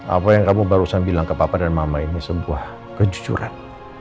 apa yang kamu barusan bilang ke bapak dan mama ini sebuah kejujuran